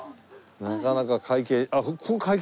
なかなか会計。